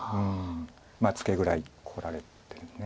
ツケぐらいこられて。